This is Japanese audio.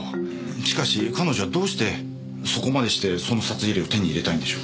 しかし彼女はどうしてそこまでしてその札入れを手に入れたいんでしょう？